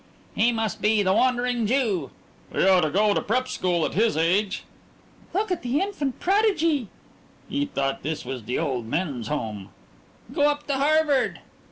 "He must be the wandering Jew!" "He ought to go to prep school at his age!" "Look at the infant prodigy!" "He thought this was the old men's home." "Go up to Harvard!"